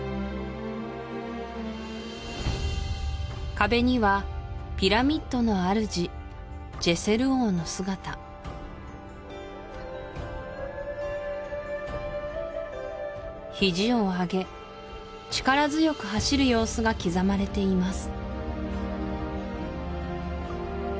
壁にはピラミッドの主ジェセル王の姿ひじを上げ力強く走る様子が刻まれています